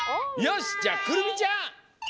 よしじゃあくるみちゃん！